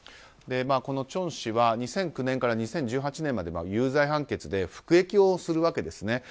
チョン氏は２００９年から２０１８年まで有罪判決で服役するわけですね。